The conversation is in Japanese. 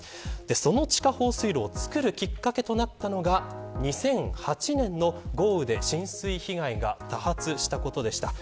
その地下放水路を作るきっかけとなったのが２００８年の豪雨で浸水被害が多発したことでした。